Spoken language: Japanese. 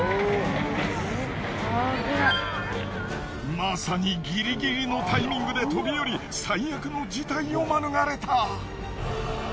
まさにギリギリのタイミングで飛び降り最悪の事態を免れた。